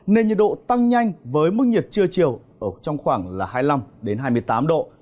nền nhiệt độ tăng nhanh với mức nhiệt trưa chiều trong khoảng hai mươi năm hai mươi tám độ